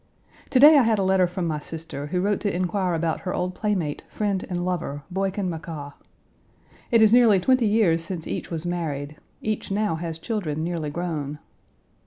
To day I had letter from my sister, who wrote to inquire about her old playmate, friend, and lover, Boykin McCaa. It is nearly twenty years since each was married; each now has children nearly grown.